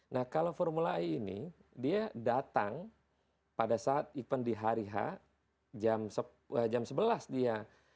nah kalau formula e ini dia datang pada saat event di hari h jam sebelas dia